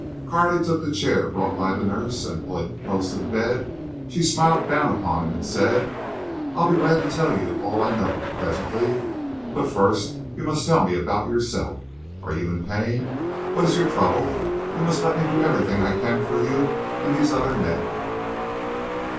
Carley took the chair brought by the nurse, and pulling it close to the bed, she smiled down upon him and said: "I'll be glad to tell you all I know—presently. But first you tell me about yourself. Are you in pain? What is your trouble? You must let me do everything I can for you, and these other men."